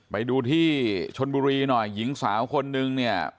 ไปดูที่ชนบุรีหน่อยหญิงสาวคนนึงเนี่ย